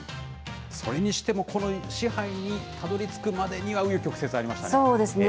それにしてもこの賜杯にたどりつくまでには、う余曲折ありまそうですね。